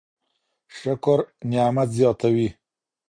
شکر نعمت زياتوي.